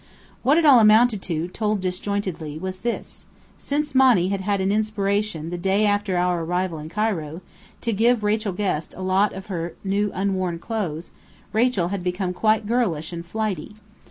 What it all amounted to, told disjointedly, was this: Since Monny had had an inspiration the day after our arrival in Cairo, to give Rachel Guest a lot of her new unworn clothes, Rachel had become quite girlish and "flighty."